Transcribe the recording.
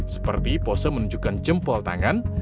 seperti pose menunjukkan jempol tangan